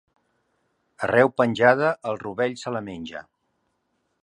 Arreu penjada, el rovell se la menja.